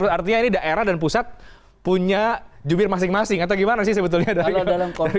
artinya ini daerah dan pusat punya jubir masing masing atau gimana sih sebetulnya